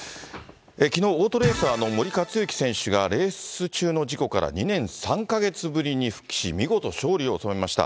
きのう、オートレーサーの森且行選手が、レース中の事故から２年３か月ぶりに復帰し、見事勝利を収めました。